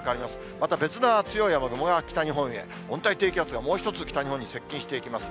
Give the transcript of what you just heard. また別の強い雨雲が北日本へ、温帯低気圧がもう１つ北日本に接近していきます。